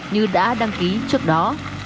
như đã đăng ký trước đó